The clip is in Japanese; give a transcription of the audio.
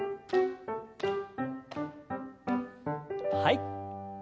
はい。